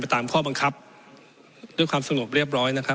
ตามข้อบังคับด้วยความสงบเรียบร้อยนะครับ